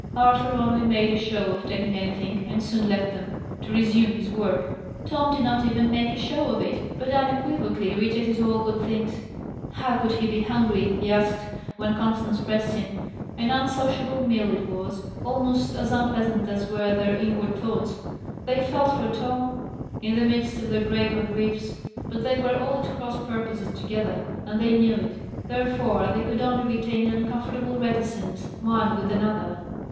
Arthur only made a show of taking anything, and soon left them, to resume his work; Tom did not even make a show of it, but unequivocally rejected all good things. "How could he be hungry?" he asked, when Constance pressed him. An unsociable meal it was almost as unpleasant as were their inward thoughts. They felt for Tom, in the midst of their graver griefs; but they were all at cross purposes together, and they knew it; therefore they could only retain an uncomfortable reticence one with another.